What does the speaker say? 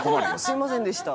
すみませんでした。